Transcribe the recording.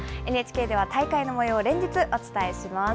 ＮＨＫでは大会のもようを連日お伝えします。